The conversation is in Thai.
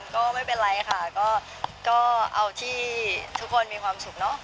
ก็ไม่เป็นไรค่ะก็เอาที่ทุกคนมีความสุขเนอะ